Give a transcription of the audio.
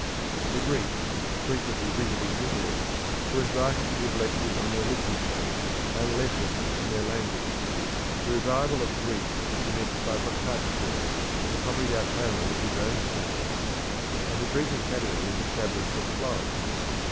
The Greeks, frequently visiting Italy, were invited to give lectures on their literature, and lessons in their language. The revival of Greek was commenced by Boccacio, who copied out Homer with his own hand; and a Greek academy was established at Florence.